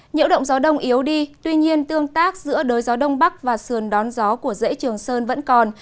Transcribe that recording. nhiễu động gió đông yếu đi tuy nhiên tương tác giữa đới gió đông bắc và sườn đón gió của dễ trường sơn vẫn còn